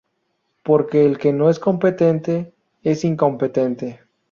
Porque el que no es competente... es incompetente